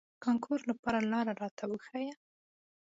کانکور لپاره لار راته وښوئ.